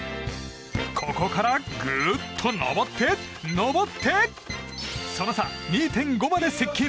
ここからグーっと上って、上ってその差２．５まで接近。